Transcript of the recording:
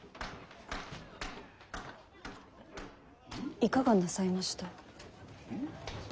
いかがなさいました？